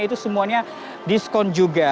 itu semuanya diskon juga